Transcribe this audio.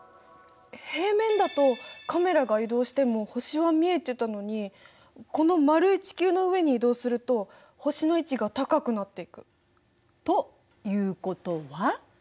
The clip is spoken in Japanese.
平面だとカメラが移動しても星は見えてたのにこの丸い地球の上に移動すると星の位置が高くなっていく。ということは？